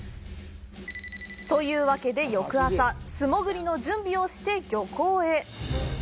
というわけで、翌朝、素潜りの準備をして漁港へ。